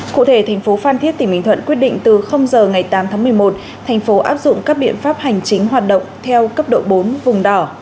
cụ thể thành phố phan thiết tỉnh bình thuận quyết định từ giờ ngày tám tháng một mươi một thành phố áp dụng các biện pháp hành chính hoạt động theo cấp độ bốn vùng đỏ